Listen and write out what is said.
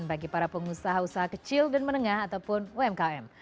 bagi para pengusaha usaha kecil dan menengah ataupun umkm